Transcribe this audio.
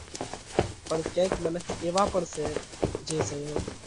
پڻ ڪينڪ منک ايوا پڻ سئہ جي زئيون